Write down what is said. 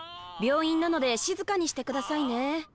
病院なので静かにして下さいね。